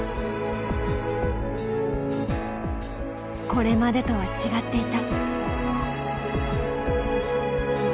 これまでとは違っていた。